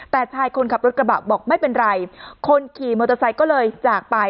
แต่ชายคนขับรถกระบะบอกไม่เป็นไรคนขี่มอเตอร์ไซค์ก็เลยจากไป